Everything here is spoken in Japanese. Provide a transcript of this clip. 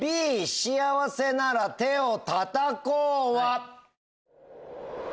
『幸せなら手をたたこう』は。